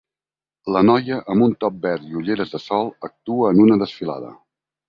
La noia amb un top verd i ulleres de sol actua en una desfilada.